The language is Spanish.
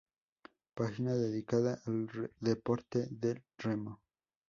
Página dedicada al deporte del remo